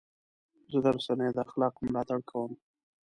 زه د رسنیو د اخلاقو ملاتړ کوم.